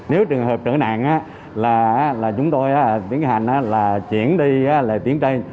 nếu trường hợp trở nạn là chúng tôi tiến hành là chuyển đi là tiến trây